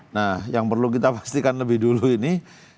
nah yang perlu kita pastikan lebih dulu ini